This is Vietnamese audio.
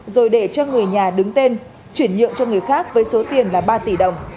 rồi để cho người nhà đứng tên chuyển nhượng cho người khác với số tiền là ba tỷ đồng